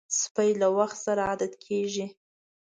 سپي له وخت سره عادت کېږي.